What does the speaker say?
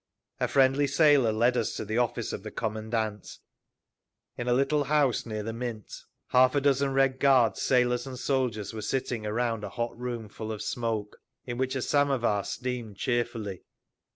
A friendly sailor led us to the office of the commandant, in a little house near the Mint. Half a dozen Red Guards, sailors and soldiers were sitting around a hot room full of smoke, in which a samovar steamed cheerfully.